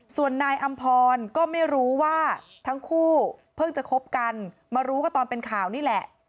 ส่วนนายอำพรก็ไม่รู้ว่าทั้งคู่เพิ่งจะคบกันมารู้ก็ตอนเป็นข่าวนี่แหละ